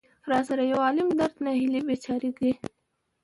را سره يو عالم درد، ناهيلۍ ،بېچاره ګۍ.